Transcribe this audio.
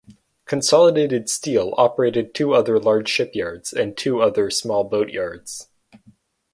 Consolidated Steel operated two other large shipyards and two other small boatyards.